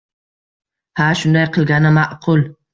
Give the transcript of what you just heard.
Ha, shunday qilgani ma`qul